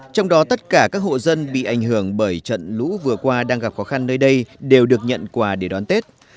trong đó tất cả các hộ dân bị ảnh hưởng bởi trận lũ vừa qua đang gặp khó khăn nơi đây đều được nhận quà để đón tết